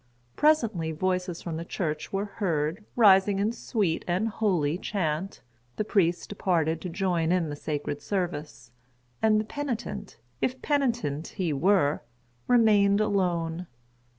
Presently voices from the church were heard, rising in sweet and holy chant. The priest departed to join in the sacred service; and the penitent, if penitent he were, remained alone.